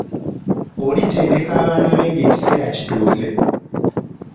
Olitendeka abaana be ng'ekiseera kituuse.